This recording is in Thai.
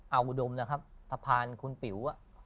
เอาอุดมนะครับสะพานคุณปิ๋ว